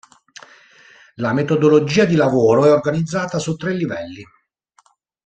La metodologia di lavoro è organizzata su tre livelli.